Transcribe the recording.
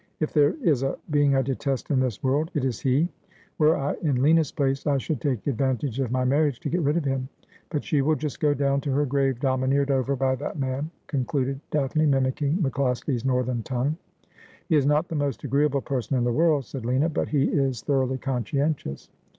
' If there is a being I detest in this world it is he. Were I in Lina's place I should take advantage of my marriage to get rid of him ; but ^And Spending Silver had He right Ynow.^ 121 she will just go down to her grave domineered over by that man,' concluded Daphne, mimicking MacCloskie's northern tongue. ' He is not the most agreeable person in the world,' said Lina ;' but he is thoroughly conscientious.'